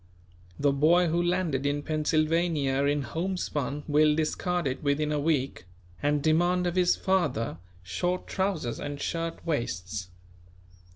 The boy who landed in Pennsylvania in homespun will discard it within a week and demand of his father short trousers and shirt waists.